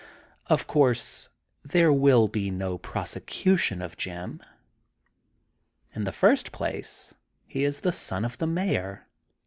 Of course there will be no prosecution of Jim. In the first place he is the son of the Mayor.